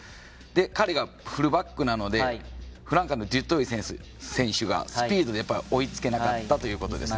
彼がフルバックなのでフランカーのデュトイ選手がスピードで追いつけなかったということですね。